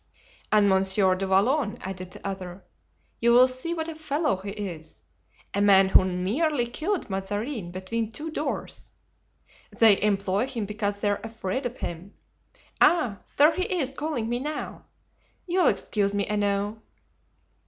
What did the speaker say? "And Monsieur du Vallon," added the other. "You will see what a fellow he is; a man who nearly killed Mazarin between two doors. They employ him because they are afraid of him. Ah, there he is calling me now. You'll excuse me, I know."